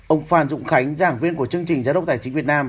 ông phan dũng khánh giảng viên của chương trình giáo đốc tài chính việt nam